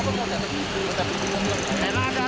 sekarang kan ditilang pak